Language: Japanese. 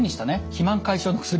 肥満解消の薬